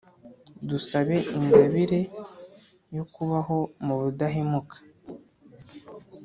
dusabe ingabire yo kubaho mu budahemuka.